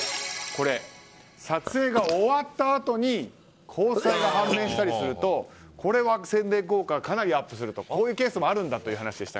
撮影が終わったあとに交際が判明したりするとこれは宣伝効果がかなりアップするとこういうケースもあるんだという話でした。